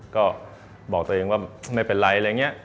ก็บอกตัวเองว่าไม่เป็นไรอะไรอย่างนี้